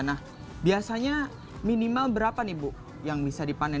nah biasanya minimal berapa nih bu yang bisa dipanen